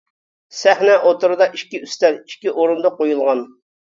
سەھنە:ئوتتۇرىدا ئىككى ئۈستەل، ئىككى ئورۇندۇق قويۇلغان.